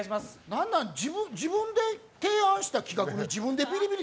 何なん、自分で提案した企画で自分でビリビリ。